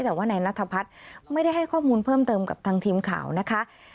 แต่ว่านายนัทพัฒน์ไม่ได้ให้ข้อมูลเพิ่มเติมกับทางทีมข่าวนะคะ